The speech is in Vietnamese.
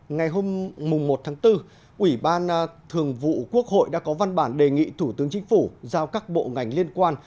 ngày hôm một bốn ủy ban thường vụ quốc hội đã có văn bản đề nghị thủ tướng chính phủ giao các bộ ngành liên quan